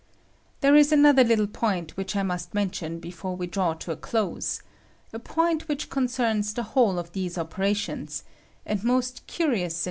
There is another little point which I must mention before we draw to a close — a point* 180 LEAD BURNS AT ONCE. which concema the whole of these operations, and most curious and.